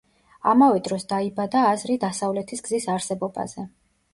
ამავე დროს დაიბადა აზრი დასავლეთის გზის არსებობაზე.